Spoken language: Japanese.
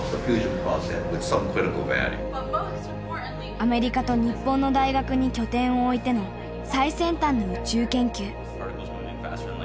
アメリカと日本の大学に拠点を置いての最先端の宇宙研究。